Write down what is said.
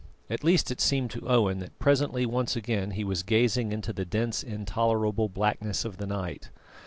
At least it seemed to Owen that presently once again he was gazing into the dense intolerable blackness of the night.